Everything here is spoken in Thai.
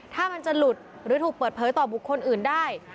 ถ้ามันจะหลุดหรือถูกเปิดเผยต่อบุคคลอื่นได้